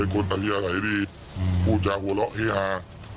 คนตะเลี่ยใส่ดีพูดอยากหัวเราะเหี้ยหา